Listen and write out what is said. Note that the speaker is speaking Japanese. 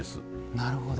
なるほど。